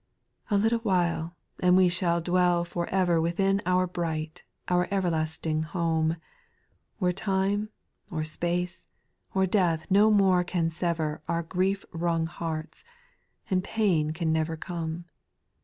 7. "A little while," — and we shall dwell for ever Within our bright, our everlasting Home, Where time, or space, or death no more can sever Our grief wrung hearts; — and pain can never come.